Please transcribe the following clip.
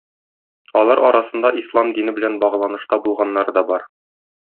Алар арасында ислам дине белән багланышта булганнары да бар.